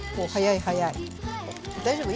お早い早い。